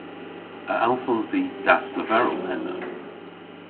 A allsons i dasleverel henna?